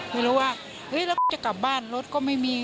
ไม่รู้ว่าจะกลับบ้านรถก็ไม่มี